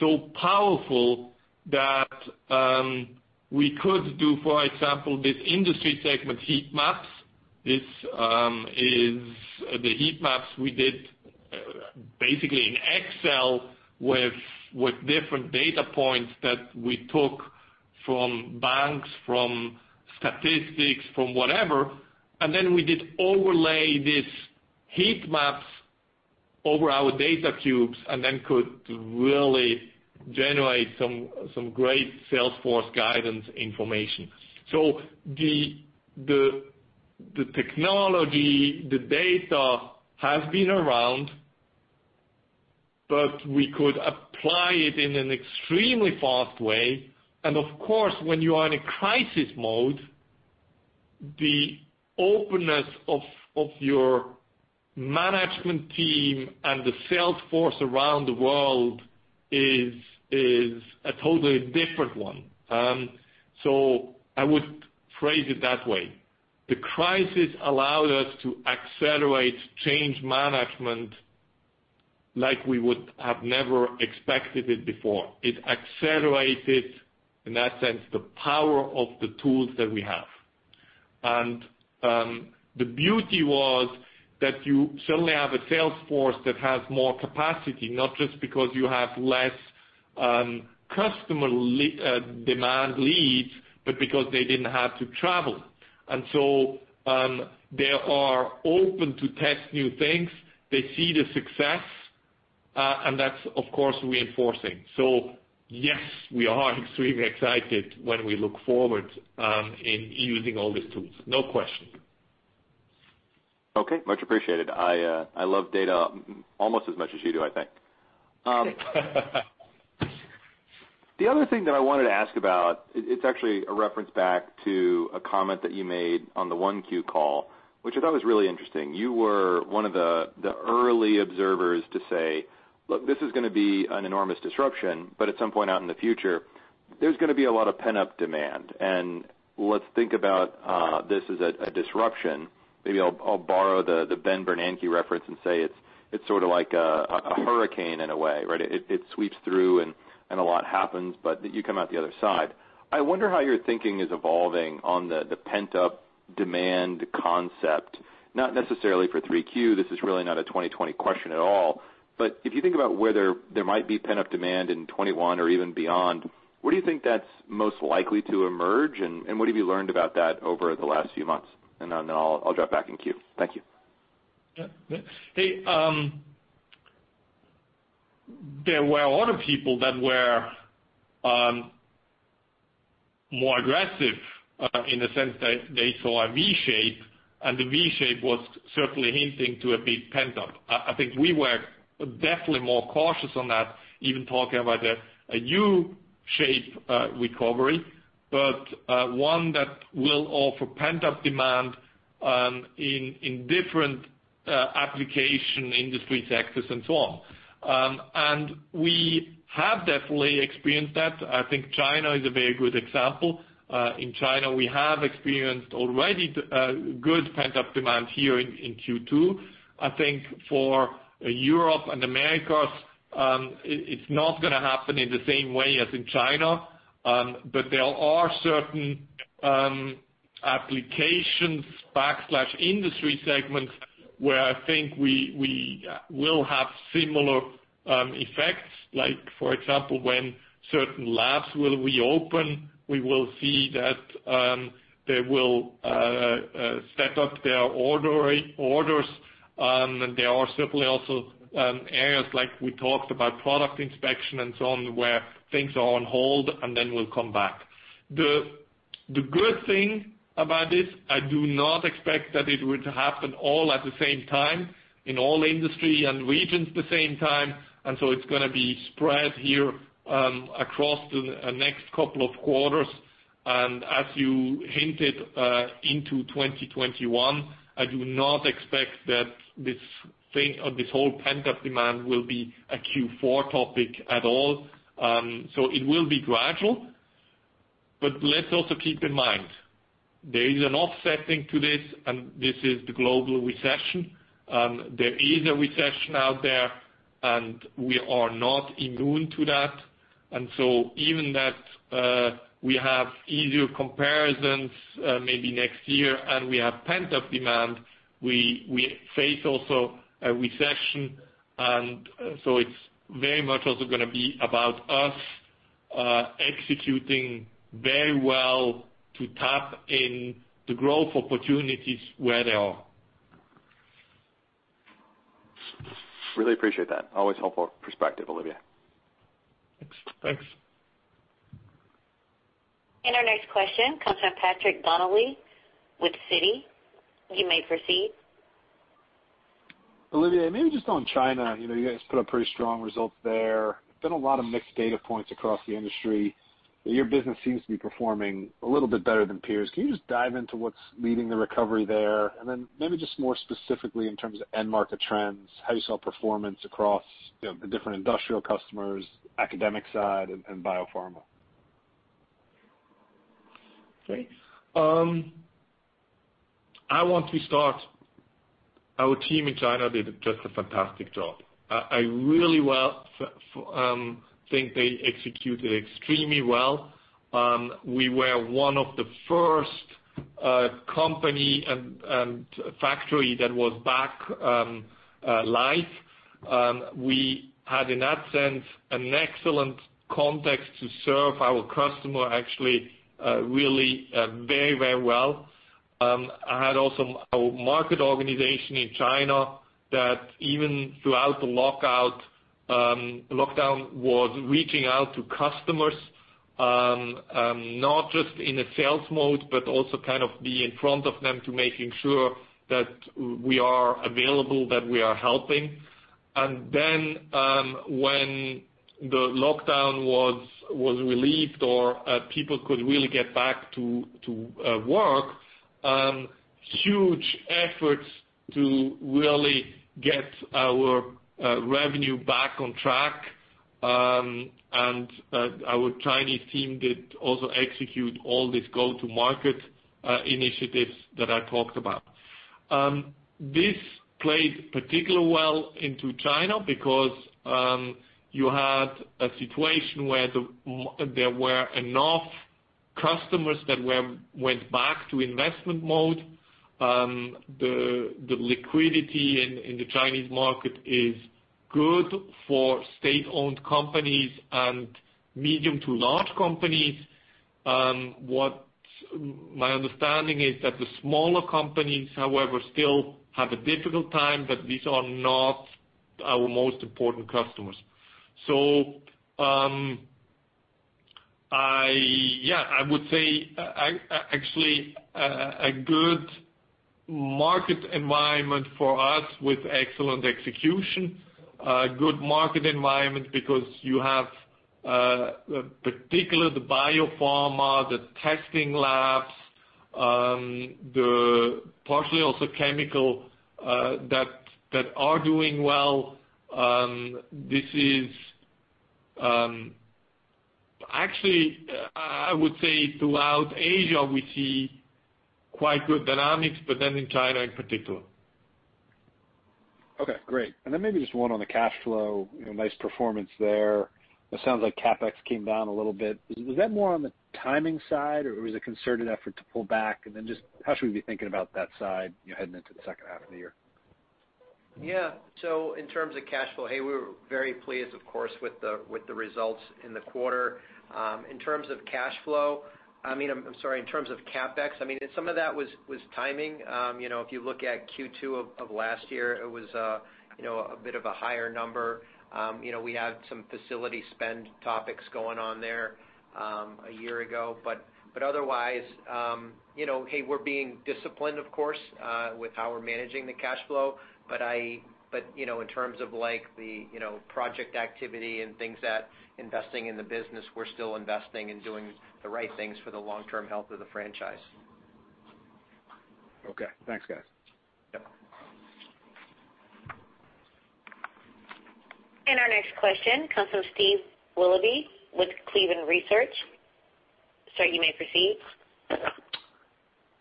so powerful that we could do, for example, this industry segment heat maps. This is the heat maps we did basically in Excel with different data points that we took from banks, from statistics, from whatever. We did overlay these heat maps over our data cubes and then could really generate some great Salesforce guidance information. The technology, the data has been around, but we could apply it in an extremely fast way. Of course, when you are in a crisis mode, the openness of your management team and the Salesforce around the world is a totally different one. I would phrase it that way. The crisis allowed us to accelerate change management like we would have never expected it before. It accelerated, in that sense, the power of the tools that we have. The beauty was that you suddenly have a Salesforce that has more capacity, not just because you have less customer demand leads, but because they did not have to travel. They are open to test new things. They see the success, and that is, of course, reinforcing. Yes, we are extremely excited when we look forward in using all these tools. No question. Okay. Much appreciated. I love data almost as much as you do, I think. The other thing that I wanted to ask about, it's actually a reference back to a comment that you made on the 1Q call, which I thought was really interesting. You were one of the early observers to say, "Look, this is going to be an enormous disruption, but at some point out in the future, there's going to be a lot of pent-up demand." Let's think about this as a disruption. Maybe I'll borrow the Ben Bernanke reference and say it's sort of like a hurricane in a way, right? It sweeps through, and a lot happens, but you come out the other side. I wonder how your thinking is evolving on the pent-up demand concept, not necessarily for 3Q. This is really not a 2020 question at all. If you think about where there might be pent-up demand in 2021 or even beyond, what do you think that's most likely to emerge, and what have you learned about that over the last few months? Then I'll drop back in queue. Thank you. Yeah. There were a lot of people that were more aggressive in the sense that they saw a V-shape, and the V-shape was certainly hinting to a big pent-up. I think we were definitely more cautious on that, even talking about a U-shape recovery, but one that will offer pent-up demand in different application industries, sectors, and so on. We have definitely experienced that. I think China is a very good example. In China, we have experienced already good pent-up demand here in Q2. I think for Europe and America, it is not going to happen in the same way as in China, but there are certain applications/industry segments where I think we will have similar effects. For example, when certain labs will reopen, we will see that they will set up their orders, and there are certainly also areas like we talked about product inspection and so on where things are on hold, and then will come back. The good thing about this, I do not expect that it would happen all at the same time in all industry and regions at the same time. It is going to be spread here across the next couple of quarters. As you hinted into 2021, I do not expect that this whole pent-up demand will be a Q4 topic at all. It will be gradual. Let's also keep in mind there is an offsetting to this, and this is the global recession. There is a recession out there, and we are not immune to that. Even though we have easier comparisons maybe next year, and we have pent-up demand, we face also a recession. It is very much also going to be about us executing very well to tap in the growth opportunities where they are. Really appreciate that. Always helpful perspective, Olivier. Thanks. Our next question comes from Patrick Donnelly with Citi. You may proceed. Olivier, maybe just on China. You guys put up pretty strong results there. There has been a lot of mixed data points across the industry. Your business seems to be performing a little bit better than peers. Can you just dive into what is leading the recovery there? Maybe just more specifically in terms of end market trends, how you saw performance across the different industrial customers, academic side, and biopharma. Okay. I want to start. Our team in China did just a fantastic job. I really think they executed extremely well. We were one of the first companies and factories that was back live. We had, in that sense, an excellent context to serve our customer, actually, really very, very well. I had also our market organization in China that even throughout the lockdown was reaching out to customers, not just in a sales mode, but also kind of be in front of them to make sure that we are available, that we are helping. When the lockdown was relieved or people could really get back to work, huge efforts to really get our revenue back on track. Our Chinese team did also execute all these go-to-market initiatives that I talked about. This played particularly well into China because you had a situation where there were enough customers that went back to investment mode. The liquidity in the Chinese market is good for state-owned companies and medium to large companies. My understanding is that the smaller companies, however, still have a difficult time, but these are not our most important customers. Yeah, I would say actually a good market environment for us with excellent execution, a good market environment because you have particularly the biopharma, the testing labs, the partially also chemicals that are doing well. Actually, I would say throughout Asia, we see quite good dynamics, but then in China in particular. Okay. Great. Maybe just one on the cash flow, nice performance there. It sounds like CapEx came down a little bit. Was that more on the timing side, or was it a concerted effort to pull back? Just how should we be thinking about that side heading into the second half of the year? Yeah. In terms of cash flow, hey, we were very pleased, of course, with the results in the quarter. In terms of cash flow, I mean, I'm sorry, in terms of CapEx, I mean, some of that was timing. If you look at Q2 of last year, it was a bit of a higher number. We had some facility spend topics going on there a year ago. Otherwise, hey, we're being disciplined, of course, with how we're managing the cash flow. In terms of the project activity and things that investing in the business, we're still investing and doing the right things for the long-term health of the franchise. Okay. Thanks, guys. Our next question comes from Steve Willoughby with Cleveland Research. You may proceed.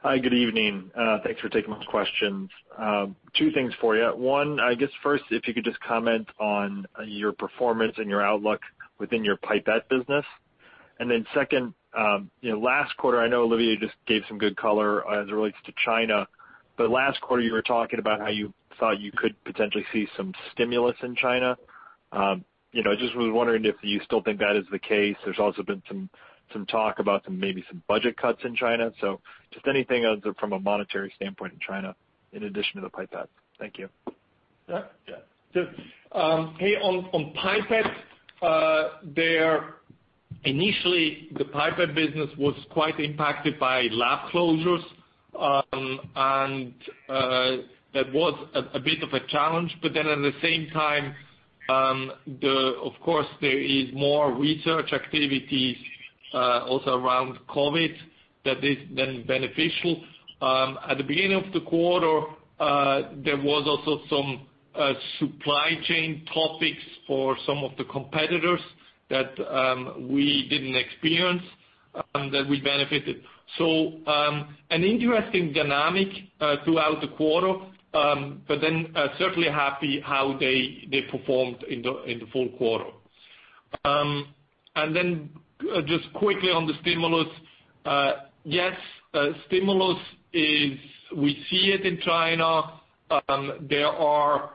Hi, good evening. Thanks for taking my questions. Two things for you. One, I guess first, if you could just comment on your performance and your outlook within your pipette business. Then second, last quarter, I know Olivier just gave some good color as it relates to China, but last quarter, you were talking about how you thought you could potentially see some stimulus in China. I just was wondering if you still think that is the case. There has also been some talk about maybe some budget cuts in China. Just anything from a monetary standpoint in China in addition to the pipettes. Thank you. Yeah, yeah. Hey, on pipettes, initially, the pipette business was quite impacted by lab closures, and that was a bit of a challenge. At the same time, of course, there is more research activities also around COVID that is then beneficial. At the beginning of the quarter, there was also some supply chain topics for some of the competitors that we did not experience that we benefited. An interesting dynamic throughout the quarter, certainly happy how they performed in the full quarter. Just quickly on the stimulus, yes, stimulus is we see it in China. There are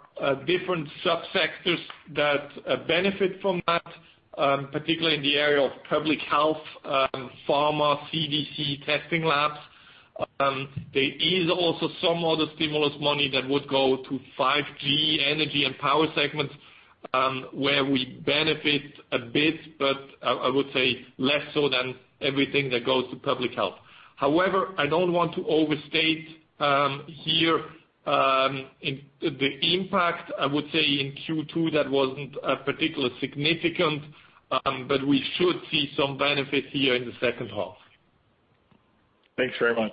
different subsectors that benefit from that, particularly in the area of public health, pharma, CDC testing labs. There is also some other stimulus money that would go to 5G energy and power segments where we benefit a bit, but I would say less so than everything that goes to public health. However, I do not want to overstate here the impact. I would say in Q2, that was not particularly significant, but we should see some benefits here in the second half. Thanks very much.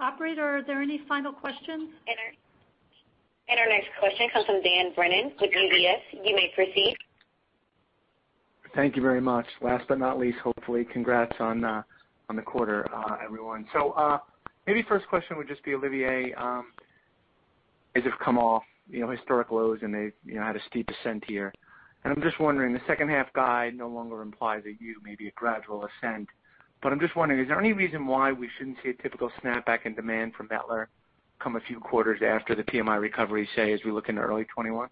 Operator, are there any final questions? Our next question comes from Dan Brennan with UBS. You may proceed. Thank you very much. Last but not least, hopefully, congrats on the quarter, everyone. Maybe first question would just be, Olivier, as you've come off historic lows, and they had a steep ascent here. I'm just wondering, the second-half guide no longer implies a U, maybe a gradual ascent. I'm just wondering, is there any reason why we shouldn't see a typical snapback in demand from Mettler come a few quarters after the PMI recovery, say, as we look into early 2021?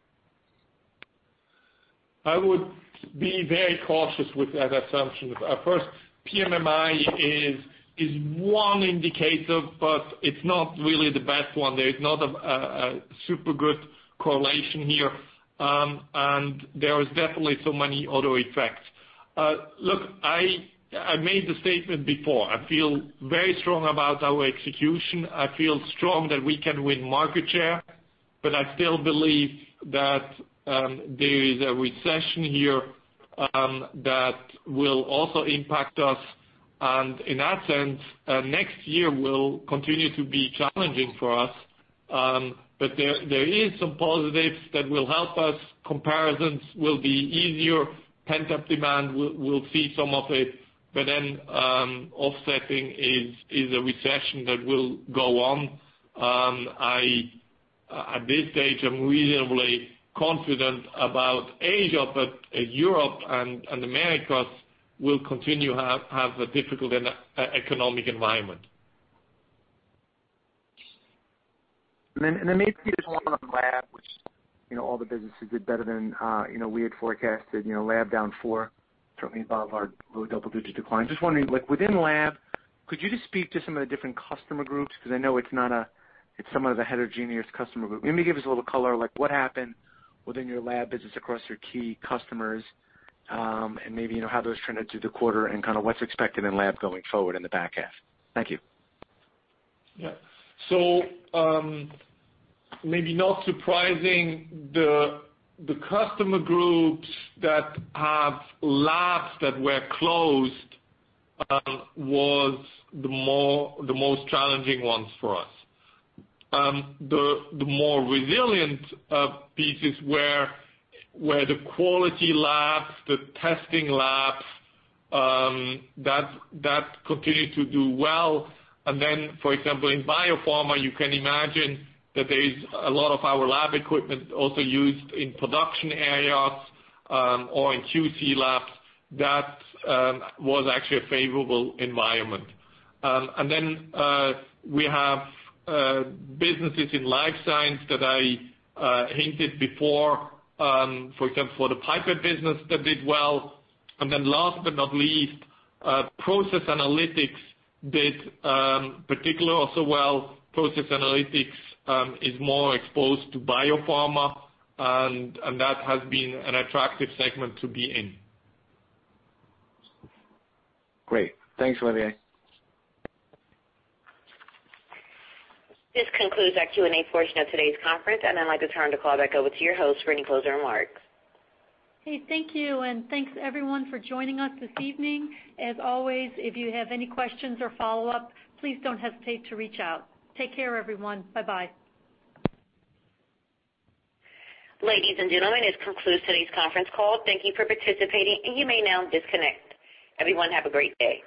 I would be very cautious with that assumption. First, PMI is one indicator, but it's not really the best one. There's not a super good correlation here, and there are definitely so many other effects. Look, I made the statement before. I feel very strong about our execution. I feel strong that we can win market share, but I still believe that there is a recession here that will also impact us. In that sense, next year will continue to be challenging for us. There are some positives that will help us. Comparisons will be easier. Pent-up demand, we'll see some of it. Offsetting that is a recession that will go on. At this stage, I'm reasonably confident about Asia, but Europe and Americas will continue to have a difficult economic environment. Maybe just one on lab, which all the businesses did better than we had forecasted. Lab down 4%, certainly above our low double-digit decline. Just wondering, within lab, could you just speak to some of the different customer groups? Because I know it is some of the heterogeneous customer group. Maybe give us a little color like what happened within your lab business across your key customers and maybe how those trended through the quarter and kind of what is expected in lab going forward in the back half. Thank you. Yeah. Maybe not surprising, the customer groups that have labs that were closed were the most challenging ones for us. The more resilient pieces were the quality labs, the testing labs that continued to do well. For example, in biopharma, you can imagine that there is a lot of our lab equipment also used in production areas or in QC labs. That was actually a favorable environment. We have businesses in life science that I hinted before, for example, for the pipette business that did well. Last but not least, Process Analytics did particularly also well. Process analytics is more exposed to biopharma, and that has been an attractive segment to be in. Great. Thanks, Olivier. This concludes our Q&A portion of today's conference. I would like to turn the call back over to your host for any closing remarks. Hey, thank you. Thanks, everyone, for joining us this evening. As always, if you have any questions or follow-up, please do not hesitate to reach out. Take care, everyone. Bye-bye. Ladies and gentlemen, this concludes today's conference call. Thank you for participating, and you may now disconnect. Everyone, have a great day.